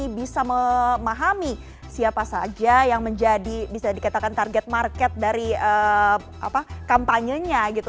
bisa memahami siapa saja yang menjadi bisa dikatakan target market dari kampanyenya gitu